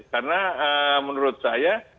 karena menurut saya